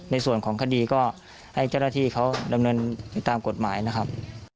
ในส่วนของคดีก็ให้เจ้าหน้าที่เขาดำเนินตามกฎหมายนะครับ